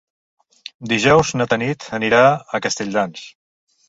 Dijous na Tanit anirà a Castelldans.